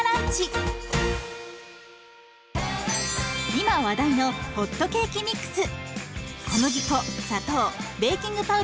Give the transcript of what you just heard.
今話題のホットケーキミックス。